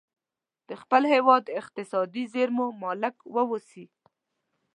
د خپل هیواد اقتصادي زیرمو مالک واوسي.